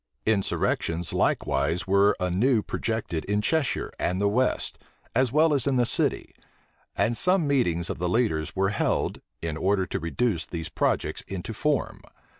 Insurrections likewise were anew projected in Cheshire and the west, as well as in the city; and some meetings of the leaders were held, in order to reduce these projects into form.